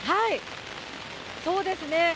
そうですね。